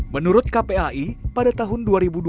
menurut kpai pada tahun dua ribu dua puluh